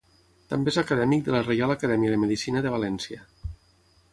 També és acadèmic de la Reial Acadèmia de Medicina de València.